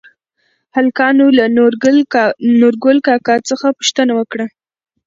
هلکانو له نورګل کاکا څخه پوښتنه وکړه؟